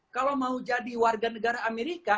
kalau mau jadi warga negara amerika